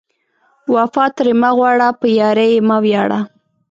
وفا ترې مه غواړه، په یارۍ یې مه ویاړه